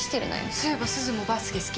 そういえばすずもバスケ好きだよね？